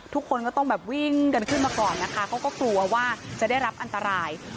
ทุกคนก็ต้องแบบวิ่งกันขึ้นมาก่อนนะคะเขาก็กลัวว่าจะได้รับอันตราย